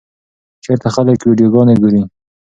چېرته خلک ویډیوګانې ګوري؟